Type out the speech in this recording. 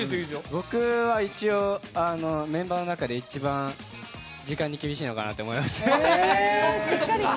僕は一応、メンバーの中で一番時間に厳しいのかなと思います。